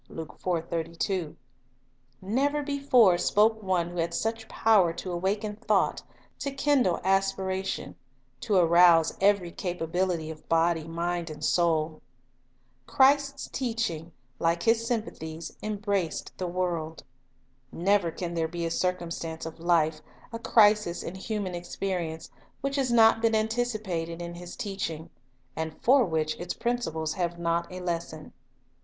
" a Never before spoke one who had such power to awaken thought, to kindle aspira tion, to arouse every capability of body, mind, and soul. Christ's teaching, like His sympathies, embraced the world. Never can there be a circumstance of life, a crisis in human experience, which has not been antici pated in His teaching, and for which its principles have not a lesson.